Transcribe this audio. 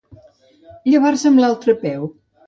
Llevar-se amb l'altre peu.